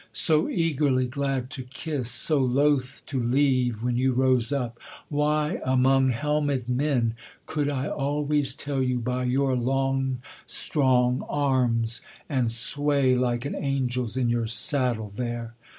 So eagerly glad to kiss, so loath to leave When you rose up? Why among helmed men Could I always tell you by your long strong arms, And sway like an angel's in your saddle there?